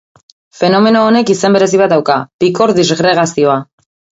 Fenomeno honek izen berezi bat dauka: pikor-disgregazioa.